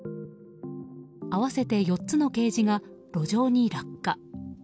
合わせて４つのケージが路上に落下。